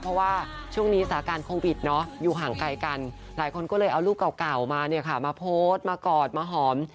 เพราะว่าช่วงนี้สาการโคนวิทธิ์อยู่ห่างไกลกันหลายคนก็เลยเอาลูกเก่ามาโพสมากอดมาหอม